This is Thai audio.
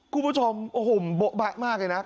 คุณผู้ชมโบ๊ะบะมากเลยนะ